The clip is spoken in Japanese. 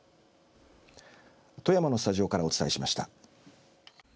富山のスタジオからお伝えしました。